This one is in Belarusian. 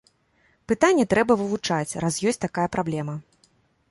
Пытанне трэба вывучаць, раз ёсць такая праблема.